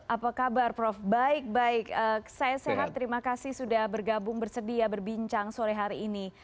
apa kabar prof baik baik saya sehat terima kasih sudah bergabung bersedia berbincang sore hari ini